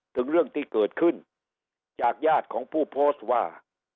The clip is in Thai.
ถึงเรื่องที่เกิดขึ้นจากญาติของผู้โพสต์ว่า